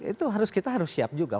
itu kita harus siap juga